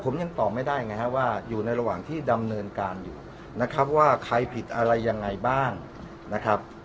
ผมยังตอบไม่ได้ไงฮะว่าอยู่ในระหว่างที่ดำเนินการอยู่นะครับว่าใครผิดอะไรยังไงบ้างนะครับ